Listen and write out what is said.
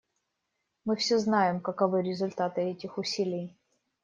Мы все знаем, каковы результаты этих усилий.